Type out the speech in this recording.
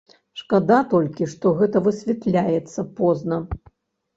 Шкада толькі, што гэта высвятляецца позна.